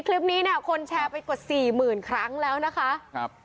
คลิปนี้คนแชร์ไปกว่า๔๐๐๐๐ครั้งแล้วนะคะ